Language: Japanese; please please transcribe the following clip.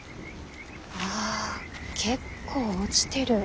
ああ結構落ちてる。